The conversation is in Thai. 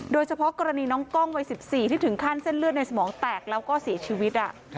โดยเฉพาะกรณีน้องกล้องวัย๑๔ที่ถึงขั้นเส้นเลือดในสมองแตกแล้วก็เสียชีวิต